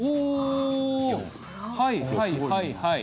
はいはいはいはい。